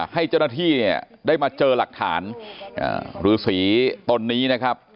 ให้เจ้าหน้าที่เนี่ยได้มาเจอหลักฐานรือสีตนนี้นะครับ